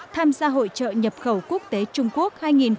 tham gia hội trợ nhập khẩu quốc tế trung quốc hai nghìn một mươi tám